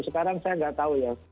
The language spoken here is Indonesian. sekarang saya nggak tahu ya